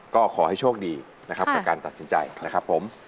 ก็ขอให้โชคดีนะครับกับการตัดสินใจนะครับผม